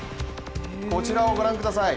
こちらを御覧ください。